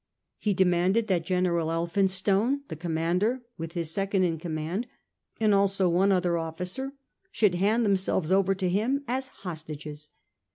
He demanded that General Elphinstone, the com mander, with his second in command, and also one other officer, should hand themselves over to him as hostages.